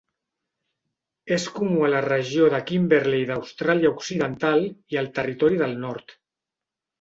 És comú a la regió de Kimberley d'Austràlia Occidental i al Territori del Nord.